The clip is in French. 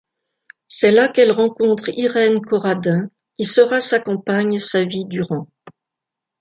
C'est là qu'elle rencontre Irène Corradin, qui sera sa compagne sa vie durant.